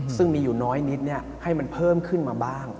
ซึ่งมีอยู่น้อยนิดให้มันเพิ่มขึ้นมาบ้าง